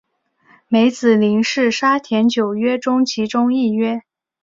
梅子林是沙田九约中其中一约。